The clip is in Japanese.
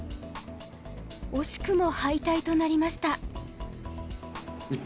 惜しくも敗退となりました。